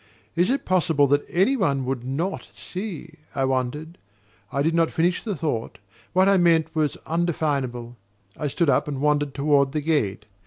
"Is it possible that any one could NOT see ?" I wondered. I did not finish the thought: what I meant was undefinable. I stood up and wandered toward the gate.